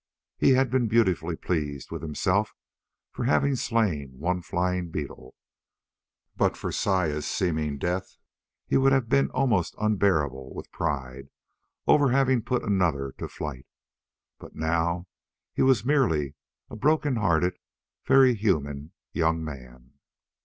He had been beautifully pleased with himself for having slain one flying beetle. But for Saya's seeming death, he would have been almost unbearable with pride over having put another to flight. But now he was merely a broken hearted, very human young man.